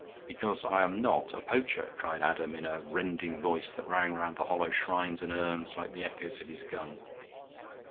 "Because I am not a poacher," cried Adam, in a rending voice that rang round the hollow shrines and urns like the echoes of his gun.